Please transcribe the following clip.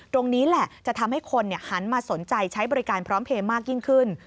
ตรงนี้แหละจะทำให้คนหันมาสนใจใช้บริการพร้อมเพลย์มากยิ่งขึ้น